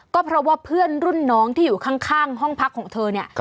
ก็เพราะว่าเพื่อนรุ่นน้องที่อยู่ข้างห้องพักของเธอเนี่ย